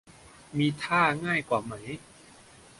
มีท่าง่ายกว่าไหม